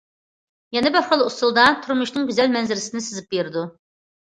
يەنە بىر خىل ئۇسۇلدا تۇرمۇشنىڭ گۈزەل مەنزىرىسىنى سىزىپ بېرىدۇ.